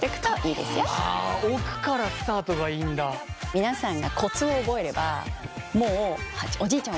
皆さんがコツを覚えればもうおじいちゃん